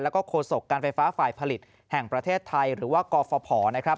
แล้วก็โฆษกการไฟฟ้าฝ่ายผลิตแห่งประเทศไทยหรือว่ากฟภนะครับ